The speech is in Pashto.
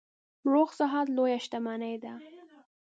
روغ صحت لویه شتنمي ده.